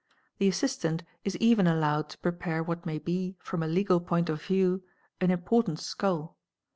The assistant is even allowed to prepare what may be, from a legal point of view, an important skull.